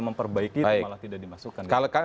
memperbaiki itu malah tidak dimasukkan